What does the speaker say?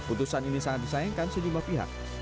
putusan ini sangat disayangkan sedemikian pihak